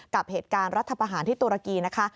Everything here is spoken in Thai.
กับเหตุการณ์รัฐประหารที่ตุรกีนะคะ